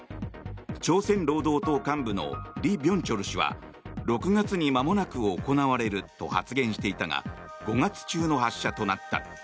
朝鮮労働党幹部のリ・ビョンチョル氏は６月にまもなく行われると発言していたが５月中の発射となった。